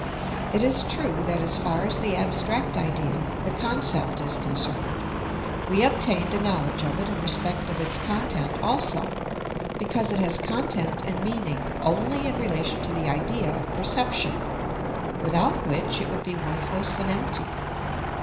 It is true that as far as the abstract idea, the concept, is concerned, we obtained a knowledge of it in respect of its content also, because it has content and meaning only in relation to the idea of perception, without which it would be worthless and empty.